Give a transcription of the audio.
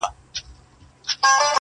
لوېدلی ستوری له مداره وځم,